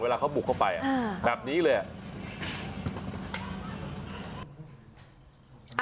เวลาเขาบุกเข้าไปแบบนี้เลยอ่ะ